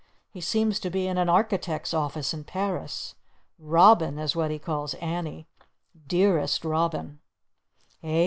He seems to be in an Architect's office in Paris! 'Robin' is what he calls Annie! 'Dearest Robin' " "Eh?"